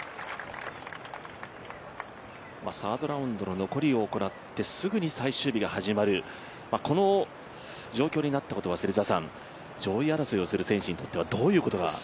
サードラウンドの残りを行ってすぐに最終日が始まる、この状況になったことは上位争いをする選手にとってはどういうことが？